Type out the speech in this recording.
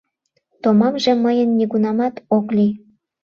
Томамже мыйын нигунамат ок лий!